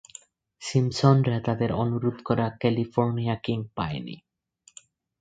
সিম্পসনরা তাদের অনুরোধ করা ক্যালিফোর্নিয়া কিং পায়নি।